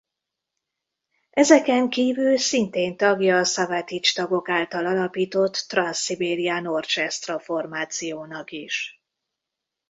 Ezeken kívül szintén tagja a Savatage tagok által alapított Trans-Siberian Orchestra formációnak is.